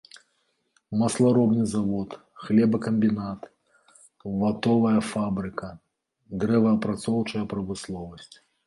Масларобны завод, хлебакамбінат, ватовая фабрыка, дрэваапрацоўчая прамысловасць.